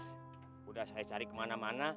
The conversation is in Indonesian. sudah saya cari kemana mana